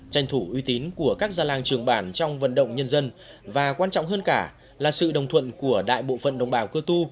tranh thủ uy tín của các gia làng trường bản trong vận động nhân dân và quan trọng hơn cả là sự đồng thuận của đại bộ phận đồng bào cơ tu